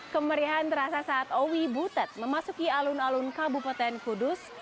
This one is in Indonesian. kemerihan terasa saat owi butet memasuki alun alun kabupaten kudus